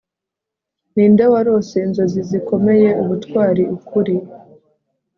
ninde warose inzozi zikomeye, ubutwari, ukuri